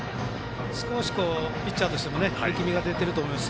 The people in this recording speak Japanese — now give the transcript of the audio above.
少しピッチャーとしても力みが出ていると思います。